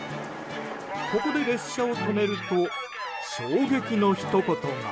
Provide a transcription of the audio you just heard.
ここで列車を止めると衝撃のひと言が。